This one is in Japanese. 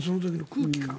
空気感。